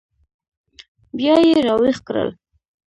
بیا یې راویښ کړل.